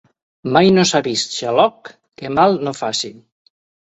Mai no s'ha vist xaloc que mal no faci.